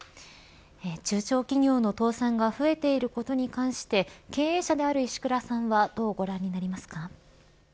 中小企業の倒産が増えていることに関して経営者である石倉さんはどうご覧になりますか。